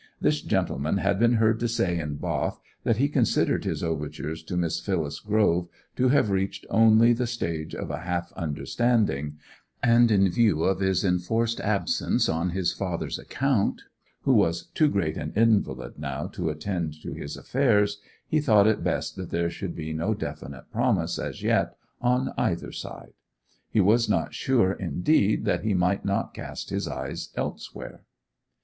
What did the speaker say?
This gentleman had been heard to say in Bath that he considered his overtures to Miss Phyllis Grove to have reached only the stage of a half understanding; and in view of his enforced absence on his father's account, who was too great an invalid now to attend to his affairs, he thought it best that there should be no definite promise as yet on either side. He was not sure, indeed, that he might not cast his eyes elsewhere.